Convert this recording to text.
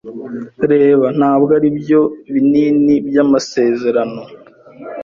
Reba, ntabwo aribyo binini byamasezerano.